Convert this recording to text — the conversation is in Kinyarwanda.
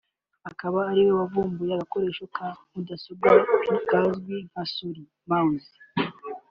akaba ariwe wavumbuye agakoresho ka mudasobwa kazwi nka Souris (mouse)